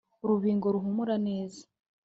urubingo ruhumura neza